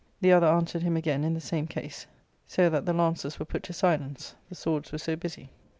The other answered him again in the same case, so that lances were put to silence, the swords were so busy.